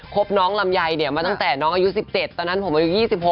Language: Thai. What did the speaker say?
บน้องลำไยเนี่ยมาตั้งแต่น้องอายุ๑๗ตอนนั้นผมอายุ๒๖